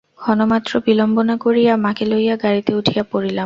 ক্ষণমাত্র বিলম্ব না করিয়া মাকে লইয়া গাড়িতে উঠিয়া পড়িলাম।